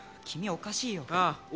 おかしいよ